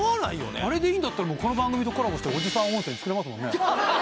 あれでいいんだったらこの番組とコラボしておじさん温泉作れますね